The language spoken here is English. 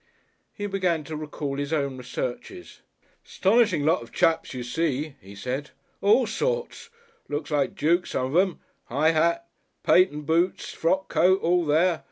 He began to recall his own researches. "'Stonishing lot of chaps you see," he said. "All sorts. Look like Dukes some of 'em. High hat. Patent boots. Frock coat. All there.